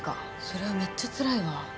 それはめっちゃつらいわ。